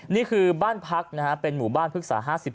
นี่คือบ้านพักเป็นหมู่บ้านภึกษา๕๗